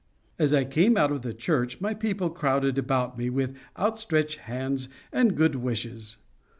As I came out of the church, my people crowded about me with outstretched hands and good wishes.